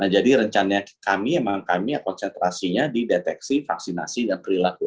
jadi rencana kami emang kami yang konsentrasinya di deteksi vaksinasi dan perilaku